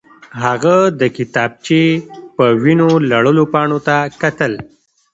هغه د کتابچې په وینو لړلو پاڼو ته کتل